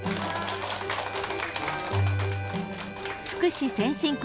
福祉先進国